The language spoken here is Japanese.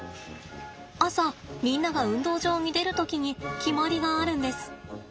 朝みんなが運動場に出る時に決まりがあるんです。